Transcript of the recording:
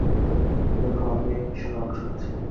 দেখো, আমি এই মিশনের অংশ হচ্ছি।